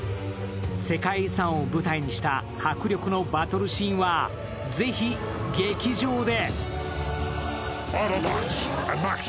世界遺産を舞台にした迫力のバトルシーンはぜひ劇場で。